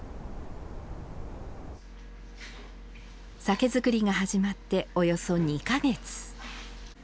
酒造りが始まっておよそ２か月。